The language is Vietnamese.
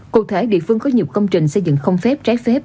cụ thể địa phương có nhiều công trình xây dựng không phép trái phép